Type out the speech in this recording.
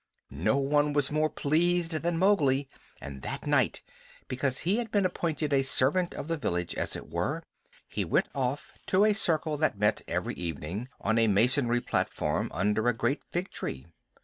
No one was more pleased than Mowgli; and that night, because he had been appointed a servant of the village, as it were, he went off to a circle that met every evening on a masonry platform under a great fig tree.